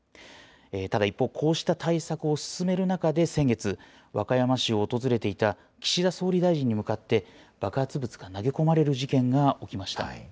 ただ、一方こうした対策を進める中で、先月、和歌山市を訪れていた岸田総理大臣に向かって、爆発物が投げ込まれる事件が起きました。